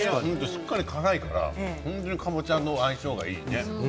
しっかり辛いから本当にかぼちゃと相性がいいね。